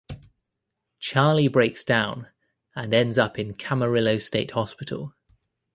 Charlie breaks down and ends up in Camarillo State Hospital.